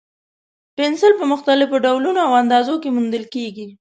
پنسل په مختلفو ډولونو او اندازو کې موندل کېږي.